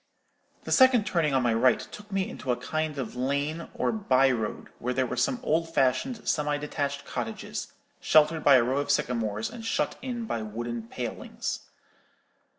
The second turning on my right took me into a kind of lane or by road, where there were some old fashioned, semi detached cottages, sheltered by a row of sycamores, and shut in by wooden palings.